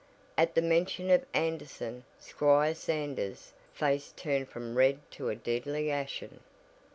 At the mention of Anderson, Squire Sanders' face turned from red to a deadly ashen.